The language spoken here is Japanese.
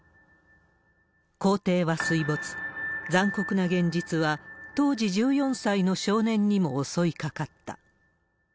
校庭は水没、残酷な現実は、当時１４歳の少年にも襲いかかった。